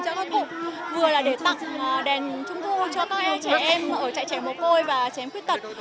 lễ hội đèn lồng cho con cụ vừa là để tặng đèn trung thu cho các em trẻ em ở trại trẻ mồ côi và trẻ em khuyết tật